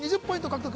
獲得